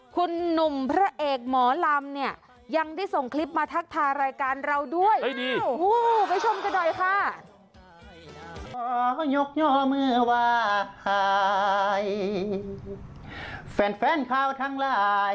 คุณหนุ่มพระเอกหมอลำเนี่ยยังได้ส่งคลิปมาทักทารายการเราด้วย